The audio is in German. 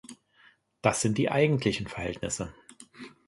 Das sind die eigentlichen Verhältnisse.